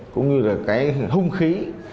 cũng như là cái hùng khí